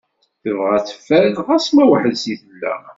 Tebɣa ad teffer, xas ma weḥdes i tella.